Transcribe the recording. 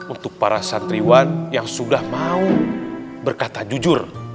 untuk para santriwan yang sudah mau berkata jujur